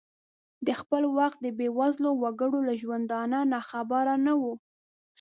د خپل وخت د بې وزلو وګړو له ژوندانه ناخبره نه ؤ.